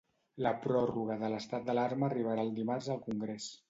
La pròrroga de l'estat d'alarma arribava el dimarts al Congrés.